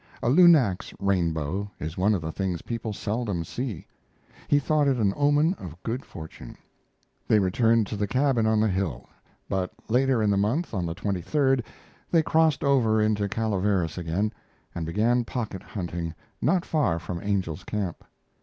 A lunax rainbow is one of the things people seldom see. He thought it an omen of good fortune. They returned to the cabin on the hill; but later in the month, on the they crossed over into Calaveras again, and began pocket hunting not far from Angel's Camp.